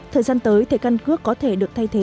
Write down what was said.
thời gian tới thẻ căn cước có thể được thay thế